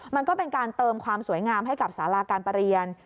มันก็เป็นการเติมความสวยงามให้กับสาราการประเรียน